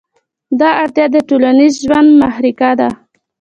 دا اړتیا د ټولنیز ژوند محرکه ده.